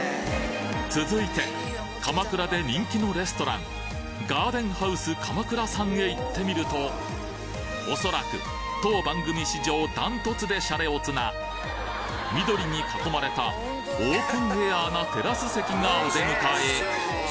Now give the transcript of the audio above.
続いて鎌倉で人気のレストランへ行ってみるとおそらく当番組史上ダントツでシャレオツな緑に囲まれたオープンエアーなテラス席がお出迎え